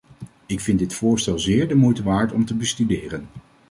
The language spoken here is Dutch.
Ik vind dit voorstel zeer de moeite waard om te bestuderen.